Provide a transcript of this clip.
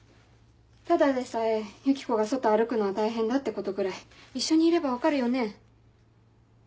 ただでさえユキコが外歩くのは大変だってことぐらい一緒にいれば分かるよね？